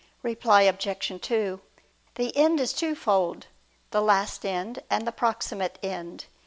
Reply Obj. 2: The end is twofold; the last end, and the proximate end.